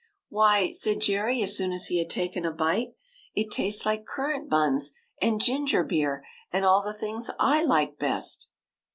"Why," said Jerry, as soon as he had taken a bite, '' it tastes like currant buns and ginger beer and all the things / like best.